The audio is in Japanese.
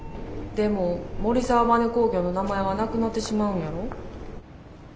でも森澤バネ工業の名前はなくなってしまうんやろ？